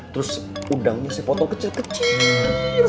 terus udangnya saya potong kecil kecil